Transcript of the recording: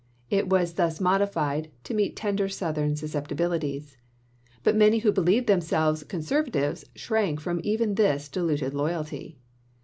It was thus modi fied to meet tender Southern susceptibilities. But many who believed themselves conservatives shrank from even this diluted loyalty.